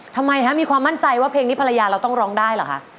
ทำไมคะมีความมั่นใจว่าเพลงนี้ภรรยาเราต้องร้องได้เหรอคะ